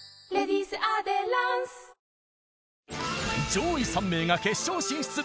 上位３名が決勝進出。